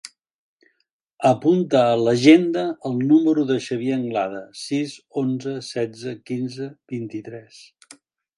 Apunta a l'agenda el número del Xavier Anglada: sis, onze, setze, quinze, vint-i-tres.